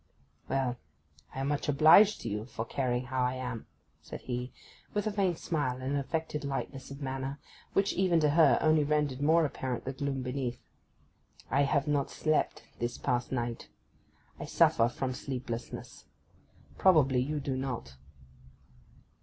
'Well, I am much obliged to you for caring how I am,' said he with a faint smile and an affected lightness of manner which, even to her, only rendered more apparent the gloom beneath. 'I have not slept this past night. I suffer from sleeplessness. Probably you do not.